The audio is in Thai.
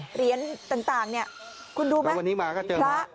เหรียญต่างเนี่ยคุณดูไหมพระ